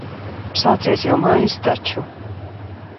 Sācies jau maijs taču.